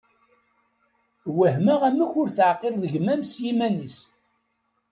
Wehmeɣ amek ur teεqileḍ gma-m s yiman-is.